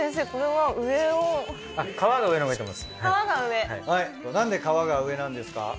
なんで皮が上なんですか？